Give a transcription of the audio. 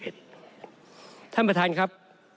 ท่านประธานครับ